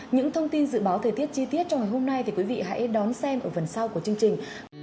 những thông tin dự báo thời tiết chi tiết trong ngày hôm nay thì quý vị hãy đón xem ở phần sau của chương trình